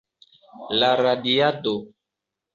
La radiado.